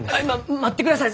待ってください！